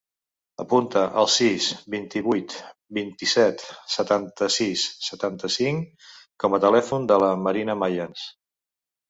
Apunta el sis, vint-i-vuit, vint-i-set, setanta-sis, setanta-cinc com a telèfon de la Marina Mayans.